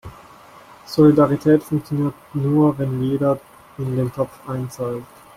Solidarität funktioniert nur, wenn jeder in den Topf einzahlt.